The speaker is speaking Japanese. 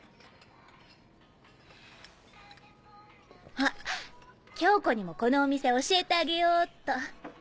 あっ恭子にもこのお店教えてあげようっと。